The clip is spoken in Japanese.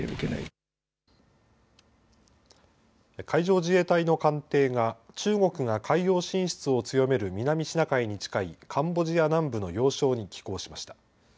海上自衛隊の艦艇が中国が海洋進出を強める南シナ海に近いカンボジア南部の要衝に寄港しました。